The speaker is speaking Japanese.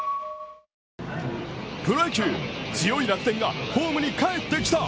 プロ野球、強い楽天がホームに帰ってきた。